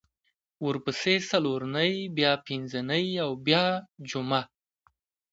ورپسې څلورنۍ بیا پینځنۍ او بیا جمعه